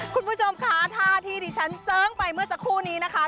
คุณผู้ชมคะท่าที่ดิฉันเสริงไปเมื่อสักครู่นี้นะคะ